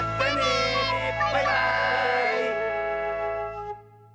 バイバーイ！